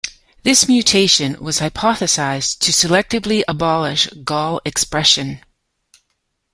This mutation was hypothesized to selectively abolish Gal expression.